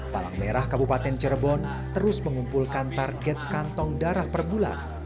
palang merah kabupaten cirebon terus mengumpulkan target kantong darah per bulan